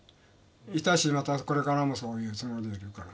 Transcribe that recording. いたしまたこれからもそういうつもりでいるから。